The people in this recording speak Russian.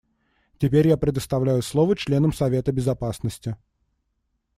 Теперь я предоставляю слово членам Совета Безопасности.